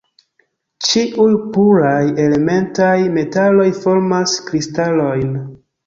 Ĉiuj puraj elementaj metaloj formas kristalojn.